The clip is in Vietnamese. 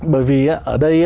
bởi vì ở đây